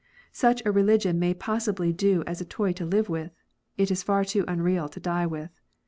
Such a religion may possibly do as a toy to live with : it is far too unreal to die with.